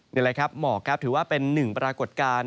นี่แหละครับหมอกครับถือว่าเป็นหนึ่งปรากฏการณ์